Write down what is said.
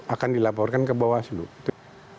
akan dilaporkan ke bawah seluruh